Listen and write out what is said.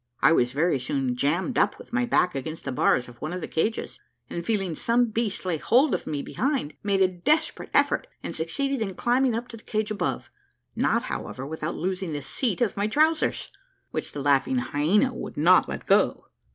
I was very soon jammed up with my back against the bars of one of the cages, and feeling some beast lay hold of me behind, made a desperate effort, and succeeded in climbing up to the cage above, not, however, without losing the seat of my trowsers, which the laughing hyaena would not let go.